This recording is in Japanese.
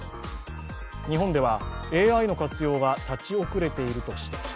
日本ではＡＩの活用が立ち遅れていると指摘。